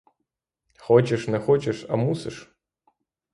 Хочеш не хочеш, а мусиш.